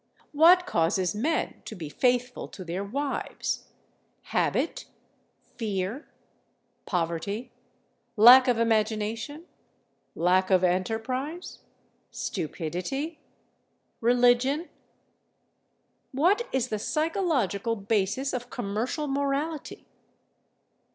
What causes men to be faithful to their wives: habit, fear, poverty, lack of imagination, lack of enterprise, stupidity, religion? What is the psychological basis of commercial morality?